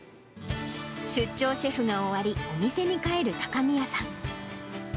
出張シェフが終わり、お店に帰る高宮さん。